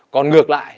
còn ngược lại